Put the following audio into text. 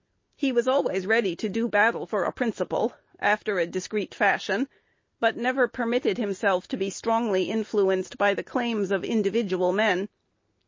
He was always ready to do battle for a principle, after a discreet fashion, but never permitted himself to be strongly influenced by the claims of individual men.